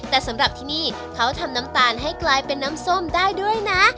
แต่สำหรับที่นี่เขาทำน้ำตาลให้กลายเป็นน้ำส้มได้ด้วยนะ